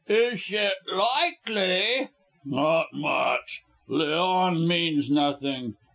"Ish it likely! Not much. Leon means nothing!